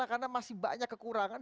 karena masih banyak kekurangan